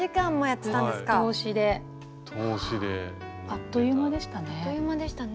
あっという間でしたね。